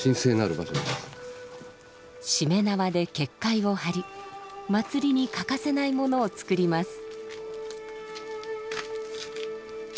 しめ縄で結界を張り祭りに欠かせないものを作ります。